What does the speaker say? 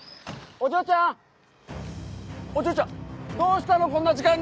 お嬢ちゃんどうしたのこんな時間に。